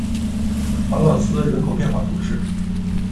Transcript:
瓦朗斯人口变化图示